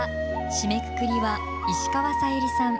締めくくりは石川さゆりさん